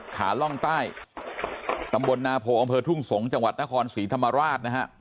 ล่องใต้ตำบลนาโพอำเภอทุ่งสงศ์จังหวัดนครศรีธรรมราชนะฮะ